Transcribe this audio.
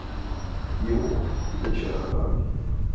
Jo, min käre vän.